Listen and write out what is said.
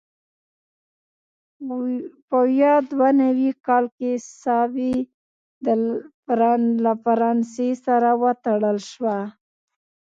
په ویا دوه نوي کال کې ساوې له فرانسې سره وتړل شوه.